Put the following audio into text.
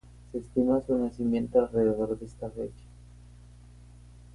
Se estima su nacimiento alrededor de esta fecha.